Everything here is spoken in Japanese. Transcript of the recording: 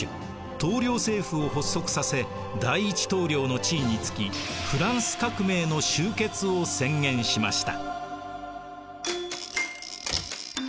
統領政府を発足させ第一統領の地位に就きフランス革命の終結を宣言しました。